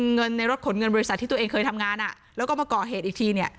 ในรถขนเงินบริษัทที่ตัวเองเคยทำงานแล้วก็มาเกาะเหตุอีกที